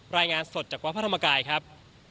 รายงานสดจากวัดพระธรรมกายครับ